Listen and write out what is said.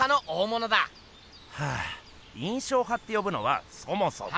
はぁ印象派って呼ぶのはそもそも。